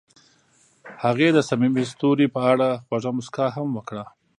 هغې د صمیمي ستوري په اړه خوږه موسکا هم وکړه.